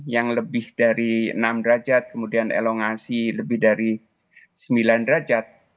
yang lebih dari enam derajat kemudian elongasi lebih dari sembilan derajat